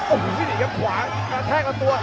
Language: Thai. โอ้ยที่นี่ครับขวากระแทกออกตัว